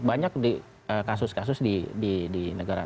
banyak kasus kasus di negara